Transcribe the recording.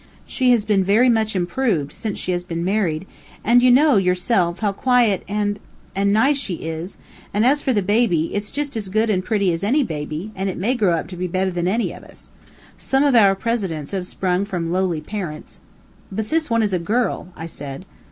She has very much improved since she has been married, and you know, yourself, how quiet and and, nice she is, and as for the baby, it's just as good and pretty as any baby, and it may grow up to be better than any of us. Some of our presidents have sprung from lowly parents." "But this one is a girl," I said.